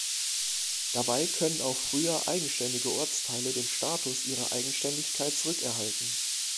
Dabei können auch früher eigenständige Ortsteile den Status ihrer Eigenständigkeit zurückerhalten.